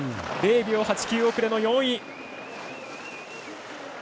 ０秒８９遅れの４位。